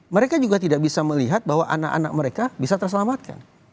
mereka juga tidak bisa melihat bahwa anak anak mereka bisa terselamatkan